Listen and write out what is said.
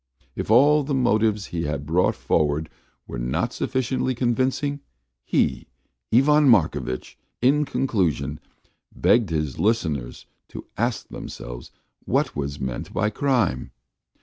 If all the motives he had brought forward were not sufficiently convincing, he, Ivan Markovitch, in conclusion, begged his listeners to ask themselves what was meant by crime?